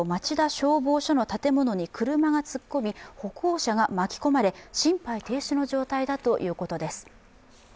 消防署の建物に車が突っ込み、歩行者が巻き込まれ心肺停止の状態だということです。